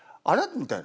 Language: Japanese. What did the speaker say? みたいな。